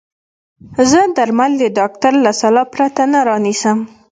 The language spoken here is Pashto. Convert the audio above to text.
زه درمل د ډاکټر له سلا پرته نه رانيسم.